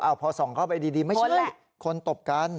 พอส่องเข้าไปดีไม่ใช่คนตบกัน